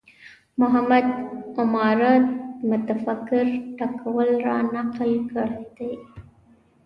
محمد عماره متفکر ټکول رانقل کړی دی